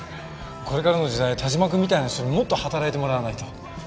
これからの時代但馬くんみたいな人にもっと働いてもらわないと。